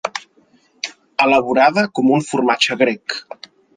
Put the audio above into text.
Elaborada com un formatge grec.